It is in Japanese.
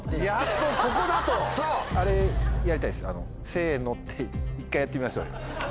「せの」って一回やってみましょうよ。